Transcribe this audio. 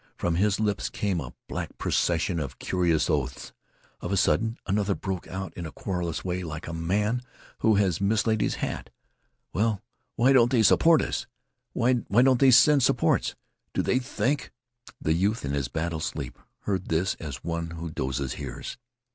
From his lips came a black procession of curious oaths. Of a sudden another broke out in a querulous way like a man who has mislaid his hat. "Well, why don't they support us? Why don't they send supports? Do they think " The youth in his battle sleep heard this as one who dozes hears.